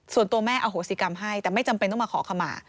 ส่วนตัวแม่อโหสิกรรมให้แต่ไม่จำเป็นต้องมาขอขมา